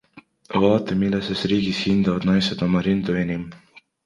Vaata, millises riigis hindavad naised oma rindu enim!